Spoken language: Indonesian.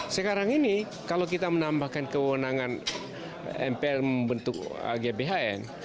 sekarang ini kalau kita menambahkan kewenangan mpr membentuk gbhn